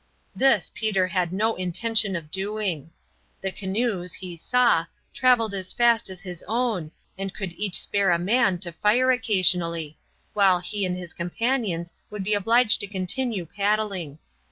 This Peter had no intention of doing. The canoes, he saw, traveled as fast as his own and could each spare a man to fire occasionally, while he and his companions would be obliged to continue paddling.